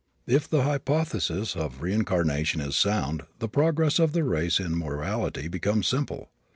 If the hypothesis of reincarnation is sound the progress of the race in morality becomes simple.